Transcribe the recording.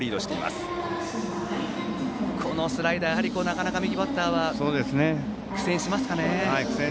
あのスライダーなかなか右バッターは苦戦しますね。